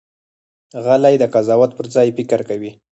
غلی، د قضاوت پر ځای فکر کوي.